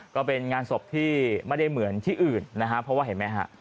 ก็เป็นงานศพที่ไม่ได้เหมือนที่อื่นนะฮะเพราะว่าเห็นไหมฮะ